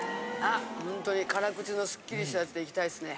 ほんとに辛口のすっきりしたやつでいきたいですね。